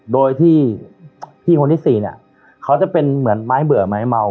โดยที่พี่คนที่สี่เนี่ยเขาจะเป็นเหมือนไม้เบื่อไม้เมา